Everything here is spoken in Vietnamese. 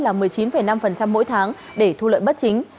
là một mươi chín năm mỗi tháng để thu lợi bất chính